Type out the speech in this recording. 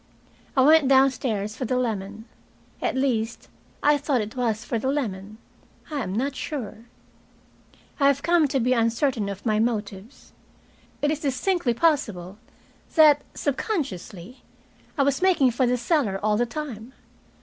I went downstairs for the lemon. At least, I thought it was for the lemon. I am not sure. I have come to be uncertain of my motives. It is distinctly possible that, sub consciously, I was making for the cellar all the time.